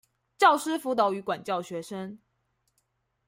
教師輔導與管教學生